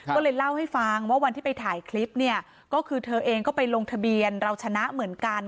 ก็เลยเล่าให้ฟังว่าวันที่ไปถ่ายคลิปเนี่ยก็คือเธอเองก็ไปลงทะเบียนเราชนะเหมือนกัน